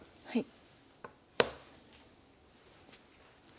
はい。